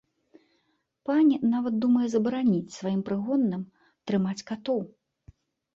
Пані нават думае забараніць сваім прыгонным трымаць катоў.